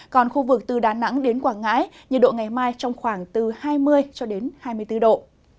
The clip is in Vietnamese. còn khu vực từ đà nẵng đến quảng ngãi nhiệt độ ngày mai trong khoảng hai mươi hai mươi bốn độ